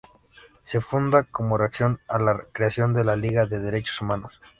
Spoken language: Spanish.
Se funda como reacción a la creación de la Liga de Derechos Humanos.